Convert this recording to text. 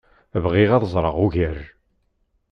Bɣiɣ ad ẓreɣ ugar.